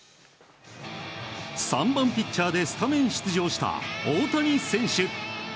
３番ピッチャーでスタメン出場した、大谷選手。